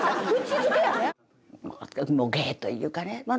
もう芸というかね。